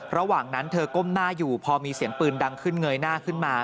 ระหว่างนั้นเธอก้มหน้าอยู่พอมีเสียงปืนดังขึ้นเงยหน้าขึ้นมา